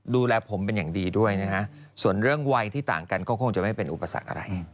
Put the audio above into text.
ดูแลผมเป็นอย่างดีด้วยนะฮะส่วนเรื่องวัยที่ต่างกันก็คงจะไม่เป็นอุปสรรคอะไร